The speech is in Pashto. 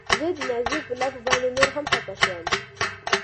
زه د نازيې په لافو باندې نوره هم خپه شوم.